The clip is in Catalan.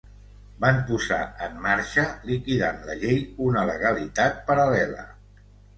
Van posar en marxa, liquidant la llei, una legalitat paral·lela.